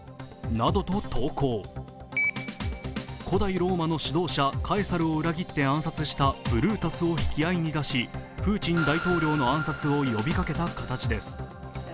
古代ローマの指導者カエサルを裏切って暗殺したブルータスを引き合いに出し、プーチン大統領の暗殺を呼びかけた形です。